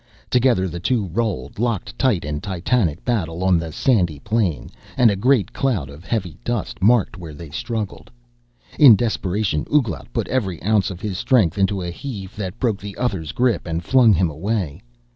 Together the two rolled, locked tight in titanic battle, on the sandy plain and a great cloud of heavy dust marked where they struggled. In desperation Ouglat put every ounce of his strength into a heave that broke the other's grip and flung him away.